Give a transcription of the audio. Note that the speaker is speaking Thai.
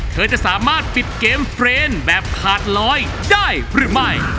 จะสามารถปิดเกมเฟรนด์แบบขาดลอยได้หรือไม่